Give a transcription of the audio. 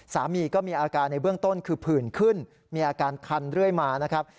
สามีก็มีอาการในเบื้องต้นคือผื่นขึ้นมีอาการคันเรื่อยมานะครับ